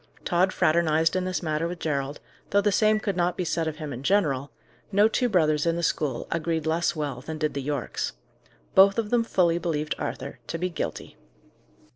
Tod fraternized in this matter with Gerald, though the same could not be said of him in general; no two brothers in the school agreed less well than did the Yorkes. Both of them fully believed Arthur to be guilty.